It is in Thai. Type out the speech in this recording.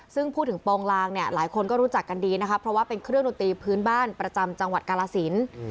ซึ่งพูดถึงโปรงลางเนี่ยหลายคนก็รู้จักกันดีนะคะเพราะว่าเป็นเครื่องดนตรีพื้นบ้านประจำจังหวัดกาลสิน